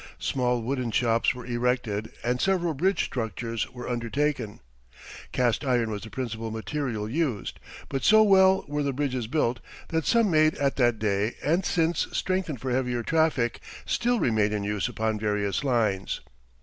Small wooden shops were erected and several bridge structures were undertaken. Cast iron was the principal material used, but so well were the bridges built that some made at that day and since strengthened for heavier traffic, still remain in use upon various lines.